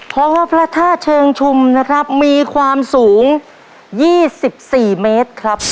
เพราะว่าพระท่าเชิงชุมนะครับมีความสูงยี่สิบสี่เมตรครับ